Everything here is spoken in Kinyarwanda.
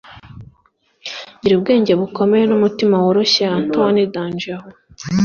gira ubwenge bukomeye n'umutima woroshye. - anthony j. d'angelo